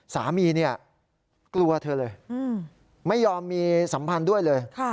สามีเนี่ยกลัวเธอเลยไม่ยอมมีสัมพันธ์ด้วยเลย